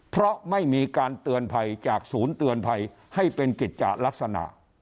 เพราะไม่มีการเตือนภัยจากศูนย์เตือนภัยให้เป็นกิจจะลักษณะ